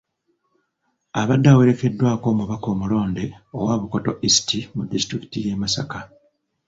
Abadde awerekeddwako omubaka omulonde owa Bukoto East mu disitulikiti y'e Masaka